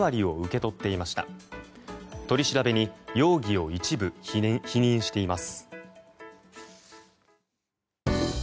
取り調べに容疑を一部否認しています。